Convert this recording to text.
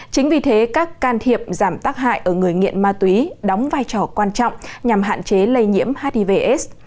chính vì thế các can thiệp giảm tác hại ở người nghiện ma túy đóng vai trò quan trọng nhằm hạn chế lây nhiễm hivs